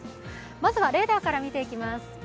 まずはレーダーから見ていきます。